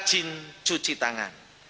rajin cuci tangan